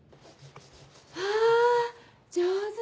わ上手ね。